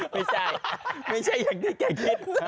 ไม่ใช่ไม่ใช่อย่างที่แกคิด